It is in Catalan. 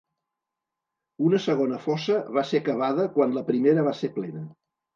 Una segona fossa va ser cavada quan la primera va ser plena.